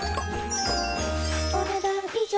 お、ねだん以上。